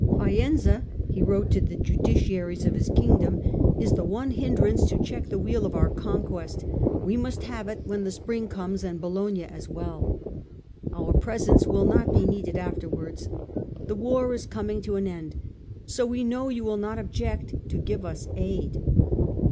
" Faenza," he wrote to the Justiciaries of his Kingdom, " is the one hindrance to check the wheel of our conquest. We must have it when the spring comes and Bologna as well. Our presence will not be needed afterwards ; the war is coming to an end ; so we know you will not object to give us aid."